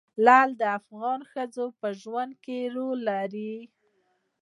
لعل د افغان ښځو په ژوند کې رول لري.